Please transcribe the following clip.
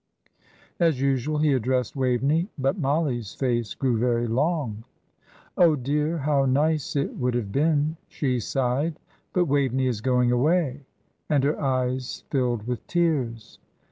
As usual he addressed Waveney; but Mollie's face grew very long. "Oh, dear, how nice it would have been!" she sighed; "but Waveney is going away;" and her eyes filled with tears.